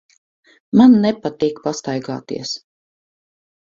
Man nepatīk pastaigāties.